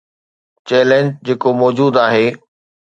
Challenge جيڪو موجود آهي.